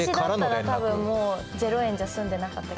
私だったら多分もうゼロ円じゃ済んでなかった。